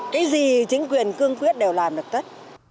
cái gì chính quyền cương quyết đều làm được tất